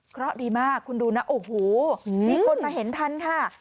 เพราะดีมากคุณดูนะโอ้โหมีคนมาเห็นทันค่ะ